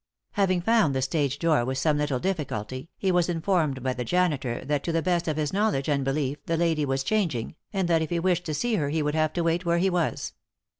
Having found the stage door with some little difficulty, he was informed by the janitor that to the best of his knowledge and belief the lady was "chang ing," and that if he wished to see her he would have to wait where he was.